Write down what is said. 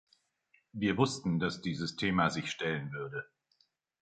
Wir wussten, dass dieses Thema sich stellen würde.